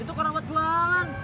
itu karawat jualan